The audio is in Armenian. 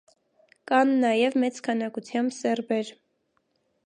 Կան նաև մեծ քանակությամբ սերբեր։